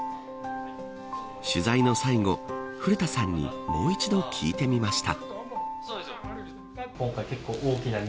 取材の最後古田さんにもう一度聞いてみました。